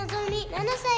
７歳。